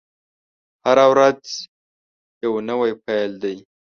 هره ورځ یوه نوې پیل دی.